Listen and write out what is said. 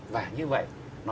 và như vậy